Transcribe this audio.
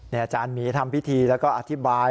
อาจารย์หมีทำพิธีแล้วก็อธิบาย